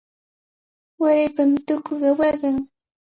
Waraypami tukuqa waqan.